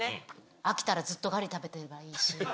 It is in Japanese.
飽きたらずっとガリ食べてればいいし。